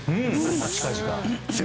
近々。